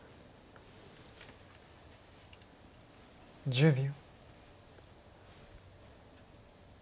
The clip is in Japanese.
１０秒。